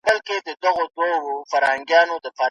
که مطالعه عامه سي هېواد به پرمختګ وکړي.